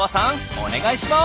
お願いします！